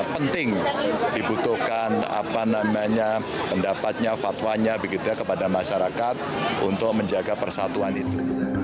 pendapatnya fatwanya begitu ya kepada masyarakat untuk menjaga persatuan itu